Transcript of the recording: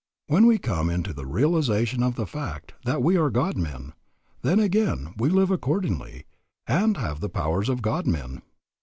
When we come into the realization of the fact that we are God men, then again we live accordingly, and have the powers of God men.